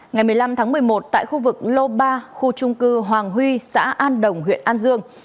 ngày một mươi năm tháng một mươi một tại khu vực lô ba khu trung cư hoàng huy xã an đồng huyện an dương